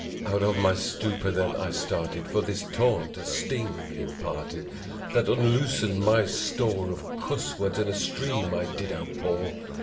Out my stupor then I started for this taunt a sting imparted, That unloosed my store of cuss words and a stream I did outpour!